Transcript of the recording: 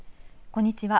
こんにちは。